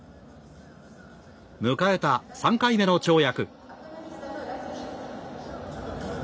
迎えた３回目の跳躍。